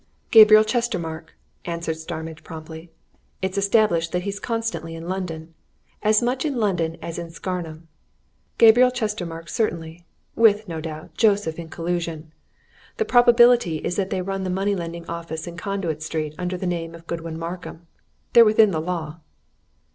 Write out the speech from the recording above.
"Gabriel Chestermarke!" answered Starmidge promptly. "It's established that he's constantly in London as much in London as in Scarnham. Gabriel Chestermarke certainly with, no doubt, Joseph in collusion. The probability is that they run that money lending office in Conduit Street under the name of Godwin Markham. They're within the law."